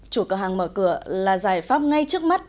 chủ cửa hàng mở cửa là giải pháp ngay trước mắt